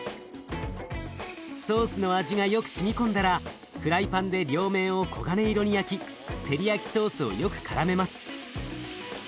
ソースの味がよくしみ込んだらフライパンで両面を黄金色に焼きテリヤキソースをよくからめます。